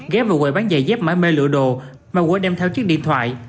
ghé vào quầy bán giày dép mãi mê lựa đồ mà quay đem theo chiếc điện thoại